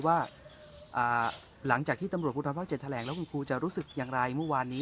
ว่าหลังจากที่กุฐปพเจแจทะแหลงแล้วพูดจะรู้สึกอย่างไรแณ่วันนี้